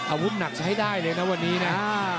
อาวุธหนักใช้ได้เลยนะวันนี้นะ